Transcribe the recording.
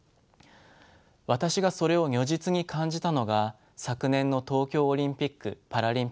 私がそれを如実に感じたのが昨年の東京オリンピック・パラリンピックです。